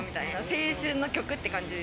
青春の曲って感じ。